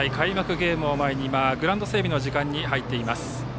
ゲームを前に今、グラウンド整備の時間に入っています。